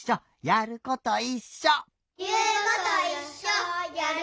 やることいっしょ！